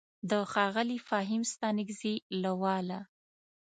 د ښاغلي فهيم ستانکزي له واله: